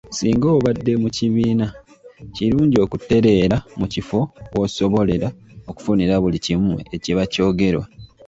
Singa obadde mu kibiina; kirungi okutereera mu kifo w’osobolera okufunira buli kimu ekiba kyogerwa.